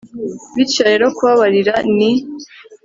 bityo rero kubabarira ni